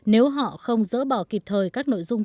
nếu họ không dỡ bỏ kịp thời